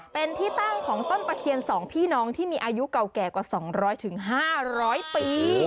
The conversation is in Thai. เป็นที่ตั้งของต้นตะเคียน๒พี่น้องที่มีอายุเก่าแก่กว่า๒๐๐๕๐๐ปี